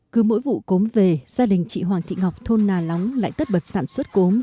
cứ mỗi vụ cốm về gia đình chị hoàng thị ngọc thôn nà lóng lại tất bật sản xuất cốm